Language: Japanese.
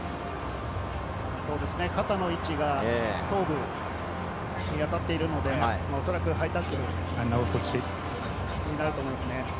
肩の位置が頭部に当たっているので、おそらくハイタックルになると思いますね。